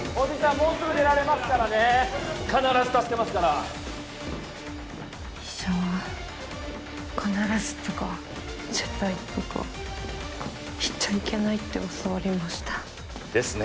もうすぐ出られますからね必ず助けますから医者は「必ず」とか「絶対」とか言っちゃいけないって教わりましたですね